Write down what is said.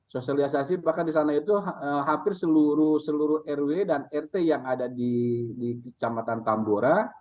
sosialisasi bahkan di sana itu hampir seluruh rw dan rt yang ada di kecamatan tambora